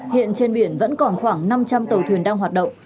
hiện trên biển vẫn còn khoảng năm trăm linh tàu thuyền đang hoạt động